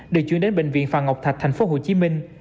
được chuyển đến bệnh viện phà ngọc thạch thành phố hồ chí minh